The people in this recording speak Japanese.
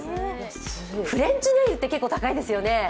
フレンチネイルって結構高いですよね。